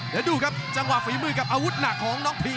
เดี๋ยวดูครับจังหวะฝีมือกับอาวุธหนักของน้องพี